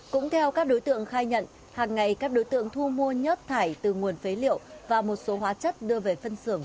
cũng theo các đối tượng khai nhận hàng ngày các đối tượng thu mua nhớt thải từ nguồn phế liệu và một số hóa chất đưa về phân xưởng